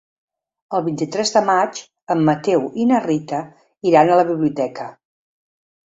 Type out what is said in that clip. El vint-i-tres de maig en Mateu i na Rita iran a la biblioteca.